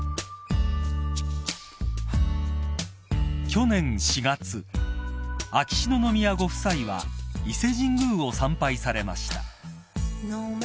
［去年４月秋篠宮ご夫妻は伊勢神宮を参拝されました］